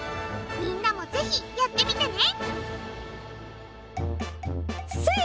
みんなもぜひやってみてね！